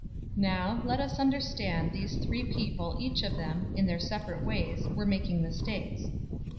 Now, let us understand these three people each of them, in their separate ways, were making mistakes.